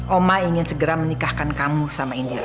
oma ingin segera menikahkan kamu sama india